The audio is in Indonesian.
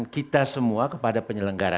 kita semua kepada penyelenggara